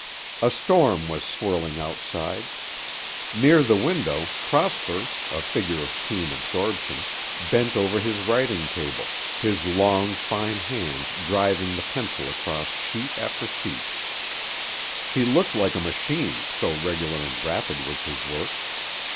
A storm was swirling outside. Near the window, Prosper, a figure of keen absorption, bent over his writing table, his long, fine hand driving the pencil across sheet after sheet. He looked like a machine, so regular and rapid was his work.